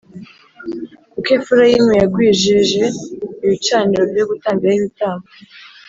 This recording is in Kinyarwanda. Kuko Efurayimu yagwijije ibicaniro byo gutambiraho ibitambo